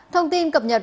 thông tin cập nhật